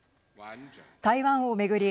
台湾を巡り